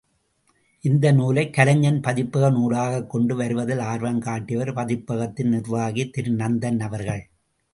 இந்த நூலை, கலைஞன் பதிப்பக நூலாகக்கொண்டு வருவதில் ஆர்வம் காட்டியவர், பதிப்பகத்தின் நிர்வாகி, திரு நந்தன் அவர்கள்.